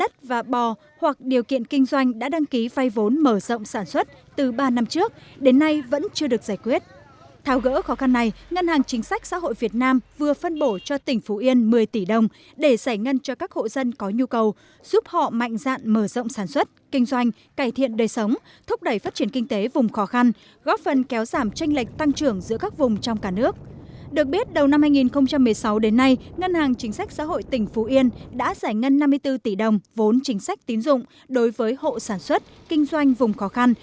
thao gỡ khó khăn này ngân hàng chính sách xã hội việt nam vừa phân bổ cho tỉnh phú yên một mươi tỷ đồng để giải ngân cho các hộ dân có nhu cầu giúp họ mạnh dạng mở rộng sản xuất kinh doanh cải thiện đời sống thúc đẩy phát triển kinh tế vùng khó khăn giúp họ mạnh dạng mở rộng sản xuất kinh doanh cải thiện đời sống thúc đẩy phát triển kinh tế vùng khó khăn